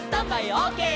オーケー！」